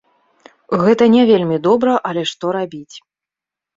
Гэта не вельмі добра, але што рабіць.